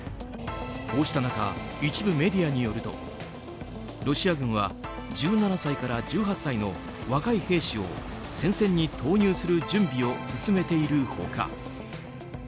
こうした中一部メディアによるとロシア軍は１７歳から１８歳の若い兵士を戦線に投入する準備を進めている他